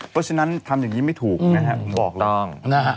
เพราะฉะนั้นทำอย่างนี้ไม่ถูกนะครับ